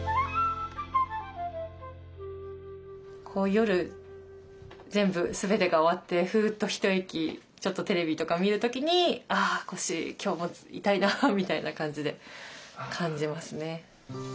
夜全部全てが終わってフーッと一息ちょっとテレビとか見る時に「あ腰今日も痛いな」みたいな感じで感じますね。